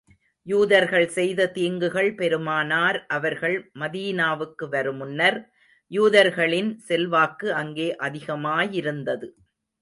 யூதர்கள் செய்த தீங்குகள் பெருமானார் அவர்கள் மதீனாவுக்கு வருமுன்னர், யூதர்களின் செல்வாக்கு அங்கே அதிகமாயிருந்தது.